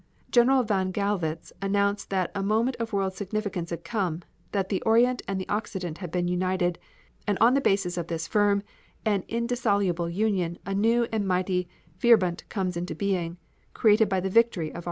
General von Gallwitz announced that a moment of world significance had come, that the "Orient and Occident had been united, and on the basis of this firm and indissoluble union a new and mighty vierbund comes into being, created by the victory of our arms."